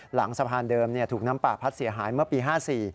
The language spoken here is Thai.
หลังสะพานเดิมถูกน้ำป่าพัดเสียหายเมื่อปี๕๔